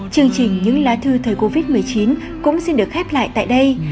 chương trình những lá thư thời covid một mươi chín cũng xin được khép lại tại đây